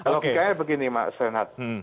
logikanya begini mas senat